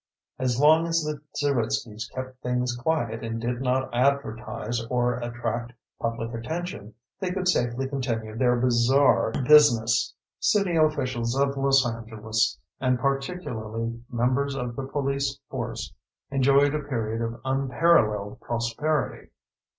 As long as the Zeritskys kept things quiet and did not advertise or attract public attention, they could safely continue their bizarre business. City officials of Los Angeles, and particularly members of the police force, enjoyed a period of unparalleled prosperity.